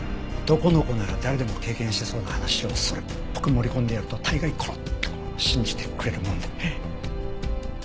男の子なら誰でも経験してそうな話をそれっぽく盛り込んでやると大概コロッと信じてくれるもんで。